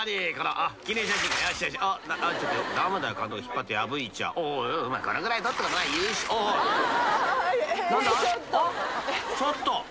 あっちょっと！